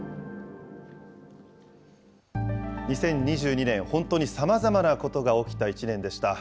２０２２年、本当にさまざまなことが起きた１年でした。